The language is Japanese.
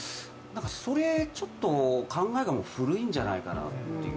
それちょっと考えがもう古いんじゃないかなという。